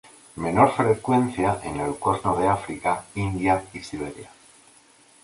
Menor frecuencia en el Cuerno de África, India y Siberia.